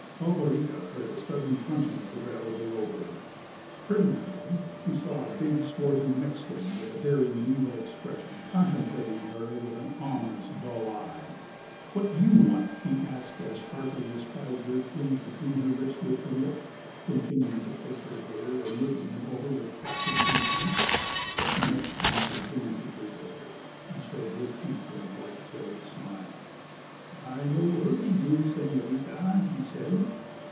Alvarita heard a sudden crunching of the gravel below her. Turning her head she saw a big, swarthy Mexican, with a daring and evil expression, contemplating her with an ominous, dull eye. "What do you want?" she asked as sharply as five hairpins between her lips would permit, continuing to plait her hair, and looking him over with placid contempt. The Mexican continued to gaze at her, and showed his teeth in a white, jagged smile. "I no hurt y you, Señorita," he said.